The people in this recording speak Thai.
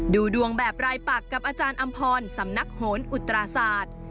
ดูดวงแบบรายปักกับอาจารย์อำพรสำนักโหนอุตราศาสตร์